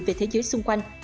về thế giới xung quanh